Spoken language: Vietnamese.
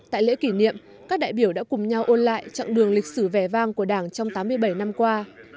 tại lễ kỷ niệm các đại biểu đã cùng nhau ôn lại chặng đường lịch sử vẻ vang của đảng trong tám mươi bảy năm qua